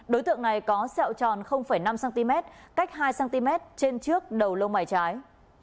đối tượng này có sẹo tròn năm cm cách hai cm trên trước đầu lông mày trái